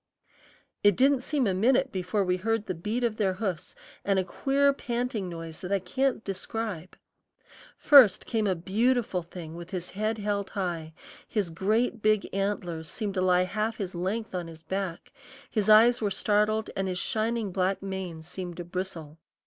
It didn't seem a minute before we heard the beat of their hoofs and a queer panting noise that I can't describe. First came a beautiful thing with his head held high; his great antlers seemed to lie half his length on his back; his eyes were startled, and his shining black mane seemed to bristle.